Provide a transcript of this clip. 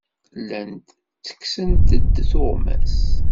Llant ttekksent-d tuɣmas.